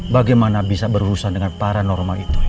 bagaimana bisa berurusan dengan paranormal itu